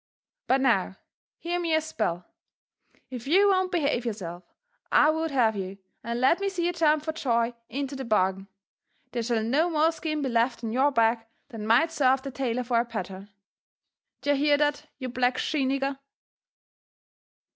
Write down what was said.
— But now, hear me a spell, tf you won't behave yourself as I would have you, and let me see you jump for joy into the bargain, there shall no more skin be left on your back than might serve the tailor for a pattern . D'ye hear . that, you black she nigger?"